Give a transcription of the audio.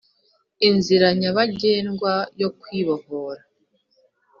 inzira nyabagendwa yo kwibohora